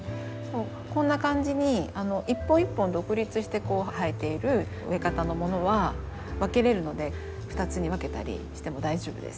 こんな感じに一本一本独立して生えている植え方のものは分けれるので２つに分けたりしても大丈夫です。